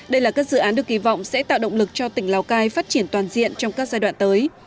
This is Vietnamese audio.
đây là các dự án được kỳ vọng sẽ tạo động lực cho tỉnh lào cai phát triển toàn diện trong các giai đoạn tới